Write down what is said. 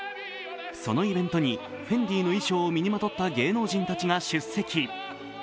そのイベントにＦＥＮＤＩの衣装を身にまとった芸能人たちが出席。